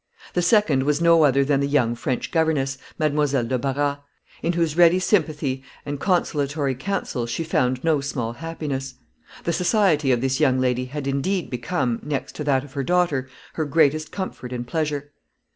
The second was no other than the young French governess, Mademoiselle de Barras, in whose ready sympathy and consolatory counsels she found no small happiness. The society of this young lady had indeed become, next to that of her daughter, her greatest comfort and pleasure.